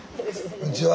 こんにちは。